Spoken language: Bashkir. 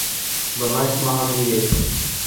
Бына, исмаһам, егет!